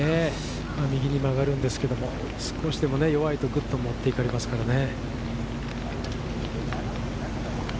右に曲がるんですけど、少しでも弱いとグッと持っていかれますからね。